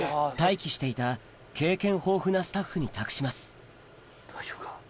待機していた経験豊富なスタッフに託します大丈夫か？